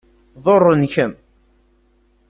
Ḍurren-kem?